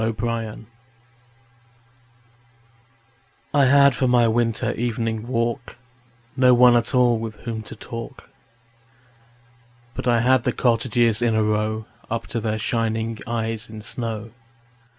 Good Hours I HAD for my winter evening walk No one at all with whom to talk, But I had the cottages in a row Up to their shining eyes in snow.